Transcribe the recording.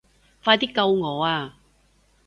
快啲救我啊